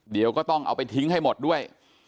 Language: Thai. เดี๋ยวก็ต้องเอาไปทิ้งให้หมดด้วย